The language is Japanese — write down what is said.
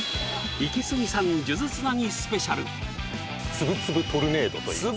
つぶつぶトルネードといいます